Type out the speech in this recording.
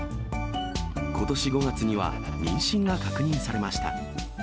ことし５月には妊娠が確認されました。